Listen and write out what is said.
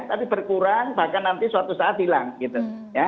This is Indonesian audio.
tapi berkurang bahkan nanti suatu saat hilang gitu ya